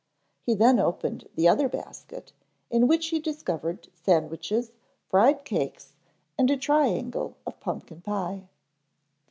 He then opened the other basket, in which he discovered sandwiches, fried cakes and a triangle of pumpkin pie.